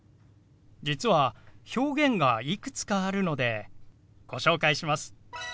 実は表現がいくつかあるのでご紹介します。